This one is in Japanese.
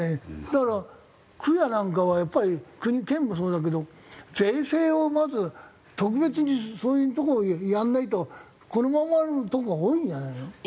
だから区やなんかはやっぱり国県もそうだけど税制をまず特別にそういうとこをやらないとこのままのとこが多いんじゃないの？